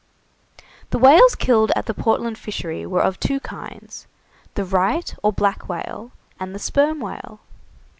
The whales killed at the Portland fishery were of two kinds, the right or black whale, and the sperm whale.